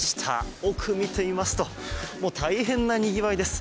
奥見てみますと大変なにぎわいです。